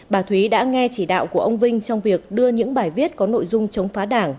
bà thúy đã nghe chỉ đạo của ông vinh trong việc đưa những bài viết có nội dung chống phá đảng